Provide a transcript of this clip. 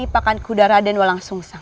ini pakan kuda raden walang sung sang